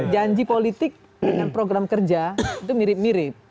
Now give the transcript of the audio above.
janji politik dengan program kerja itu mirip mirip